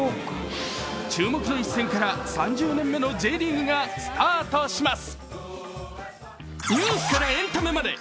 注目の一戦から、３０年目のＪリーグがスタートします。